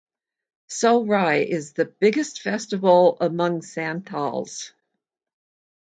Sohrai is the biggest festival among Santhals.